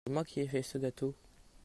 C'est moi qui ait fait ce gâteau.